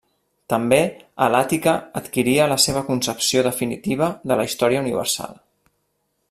També a l'Àtica adquiriria la seva concepció definitiva de la Història Universal.